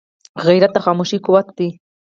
غیرت د خاموشۍ قوت دی